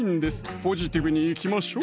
ポジティブにいきましょ